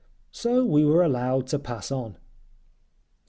So we were allowed to pass on.